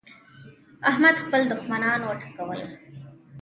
احمد خپل دوښمنان وټکول.